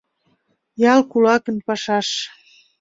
Ял кулакын пашаш